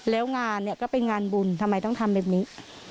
แล้วงานเนี่ยก็เป็นงานบุญทำไมต้องทำแบบนี้